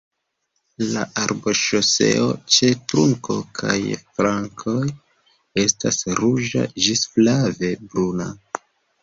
La arboŝelo ĉe trunko kaj branĉoj estas ruĝa ĝis flave bruna.